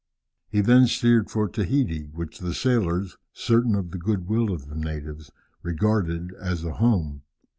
He then steered for Tahiti, which the sailors, certain of the good will of the natives, regarded as a home.